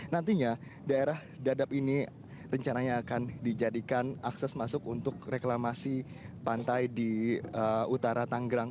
nantinya daerah dadap ini rencananya akan dijadikan akses masuk untuk reklamasi pantai di utara tanggerang